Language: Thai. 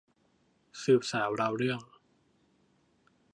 สืบสาวราวเรื่อง